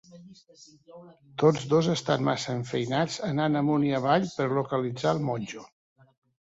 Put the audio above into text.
Tots dos estan massa enfeinats anant amunt i avall per localitzar el monjo.